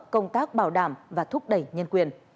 công tác bảo đảm và thúc đẩy nhân quyền